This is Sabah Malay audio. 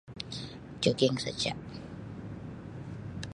Jogging saja.